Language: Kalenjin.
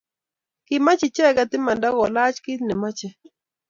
kimach icheget imanda kolaach kiit nemochei